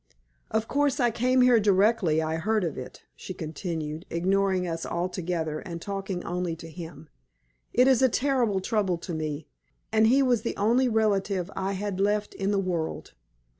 "Of course I came here directly I heard of it," she continued, ignoring us altogether, and talking only to him. "It is a terrible trouble to me, and he was the only relative I had left in the world.